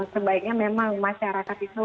sebaiknya memang masyarakat itu